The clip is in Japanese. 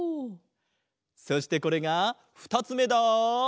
そしてこれがふたつめだ！